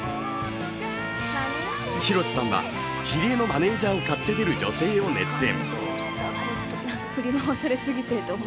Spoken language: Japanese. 広瀬さんはキリエのマネージャーを買って出る女性を熱演。